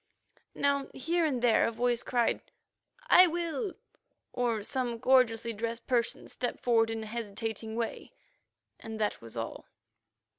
Now here and there a voice cried, "I will," or some gorgeously dressed person stepped forward in a hesitating way, and that was all.